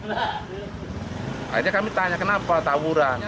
akhirnya kami tanya kenapa tawuran